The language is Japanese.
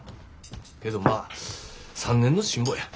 けどまあ３年の辛抱や。